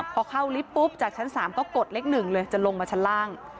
พอเข้าลิฟต์ปุ๊บจากชั้น๓ก็กดเล็ก๑เลยจะลงมาชั้นล่าง